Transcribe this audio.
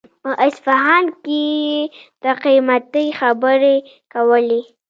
په اصفهان کې يې د قيمتۍ خبرې کولې.